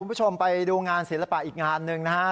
คุณผู้ชมไปดูงานศิลปะอีกงานหนึ่งนะฮะ